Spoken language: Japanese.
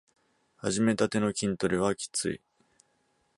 はじめたての筋トレはきつい